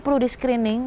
perlu di screening